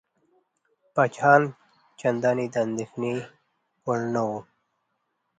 پاچاهان چنداني د اندېښنې وړ نه وه.